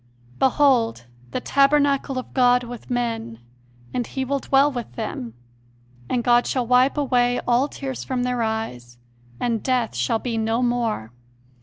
"Behold, the tabernacle of God with men; and He will dwell with them. ... and God shall wipe away all tears from their eyes, and death shall be no more